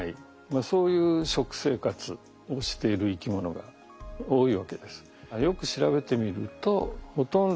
まあそういう食生活をしている生き物が多いわけです。